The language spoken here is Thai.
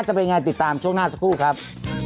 จะเป็นยังไงติดตามช่วงหน้าสักครู่ครับ